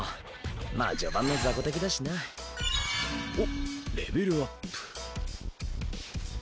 まあ序盤のザコ敵だしな。おっレベルアップ。